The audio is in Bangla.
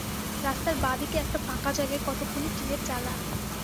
রাস্তার ব্যদিকে একটা ফাকা জায়গায় কতকগুলি টিনের চালা।